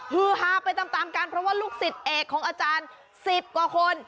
ฮือฮาไปตามกันเพราะว่าลูกศิษย์เอกของอาจารย์๑๐กว่าคน